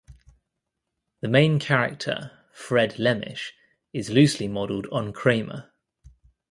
The main character, Fred Lemish, is loosely modeled on Kramer.